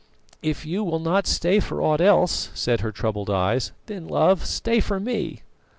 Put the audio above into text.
"If you will not stay for aught else," said her troubled eyes, "then, love, stay for me."